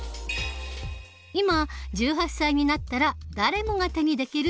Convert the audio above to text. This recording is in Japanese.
今１８歳になったら誰もが手にできる選挙権。